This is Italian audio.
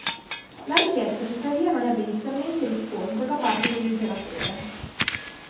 La richiesta, tuttavia, non ebbe inizialmente riscontro da parte dell'imperatore.